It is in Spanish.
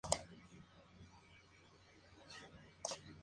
Al día siguiente, se revelaron la fecha del estreno y nuevas imágenes.